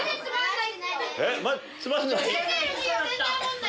つまんない？